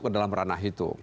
ke dalam ranah itu